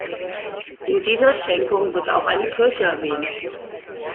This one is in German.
In dieser Schenkung wird auch eine Kirche erwähnt.